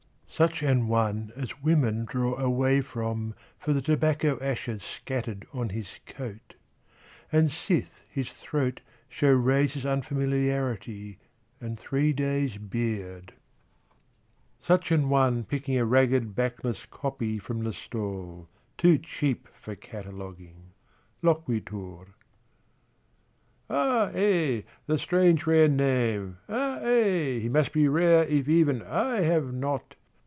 Such an one as women draw away from For the tobacco ashes scattered on his coat And sith his throat Show razor's unfamiliarity And three days' beard: Such an one picking a ragged Backless copy from the stall, Too cheap for cataloguing, Loquitur, "Ah eh! the strange rare name.... Ah eh! He must be rare if even I have not....